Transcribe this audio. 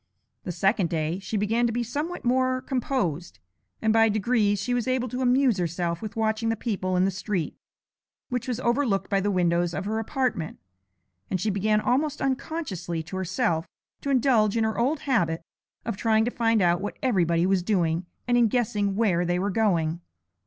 The second day she began to be somewhat more composed, and by degrees she was able to amuse herself with watching the people in the street, which was overlooked by the windows of her apartment, and she began, almost unconsciously to herself, to indulge in her old habit of trying to find out what everybody was doing, and in guessing where they were going.